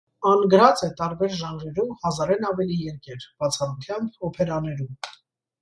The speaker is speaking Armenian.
Ան գրած է տարբեր ժանրերու հազարէն աւելի երկեր (բացառութեամբ օփերաներու)։